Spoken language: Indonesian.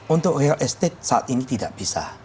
untuk real estate saat ini tidak bisa